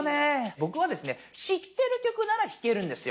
僕はですね、知ってる曲なら弾けるんですよ。